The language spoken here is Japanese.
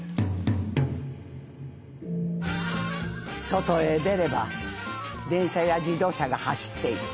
「外へ出れば電車や自動車が走っている」。